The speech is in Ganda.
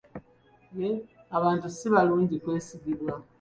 Abantu si balungi kwesigibwa.